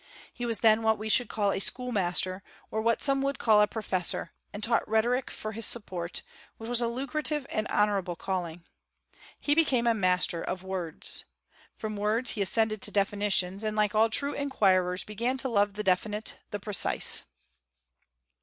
He was then what we should call a schoolmaster, or what some would call a professor, and taught rhetoric for his support, which was a lucrative and honorable calling. He became a master of words. From words he ascended to definitions, and like all true inquirers began to love the definite, the precise.